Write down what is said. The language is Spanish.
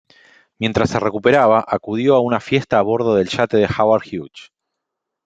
Mientras se recuperaba, acudió a una fiesta a bordo del yate de Howard Hughes.